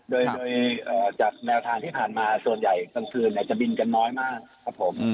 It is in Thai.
โดยจากแนวทางที่ผ่านมาส่วนใหญ่กลางคืนจะบินกันน้อยมากครับผม